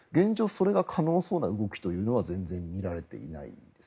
それが可能そうな動きは全然見られていないです。